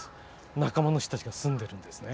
仲間の人たちが住んでるんですね。